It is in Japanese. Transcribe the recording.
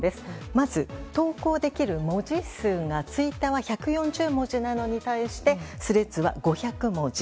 まず、投稿できる文字数がツイッターは１４０文字なのに対してＴｈｒｅａｄｓは５００文字。